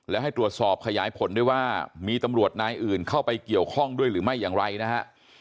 และให้ตรวจสอบขยายผลด้วยว่ามีตำรวจนายอื่นเข้าไปเกี่ยวข้องด้วยหรือไม่อย่างไรนะฮะ